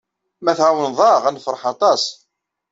Ma tɛawneḍ-aɣ, ad nefṛeḥ aṭas.